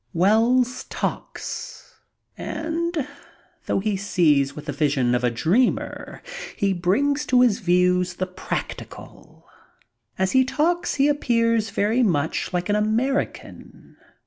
Wells talks ; and, though he sees with the vision of a dreamer, he brings to his views the practical. As he talks he appears very much like an American.